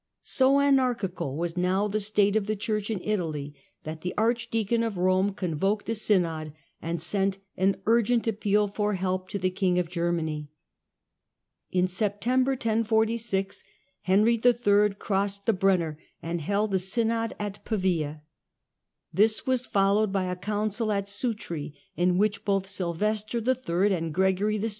So anarchical was now the state of the Church in Italy that the Archdeacon of Rome convoked a Synod and sent an urgent appeal for help to the king of First Germany. In September 1046 Henry III. crossed the pedition, ' Brenner and held a Synod at Pavia. This was followed ^^*^ by a Council at Sutri in which both Sylvester III. and Gregory VI.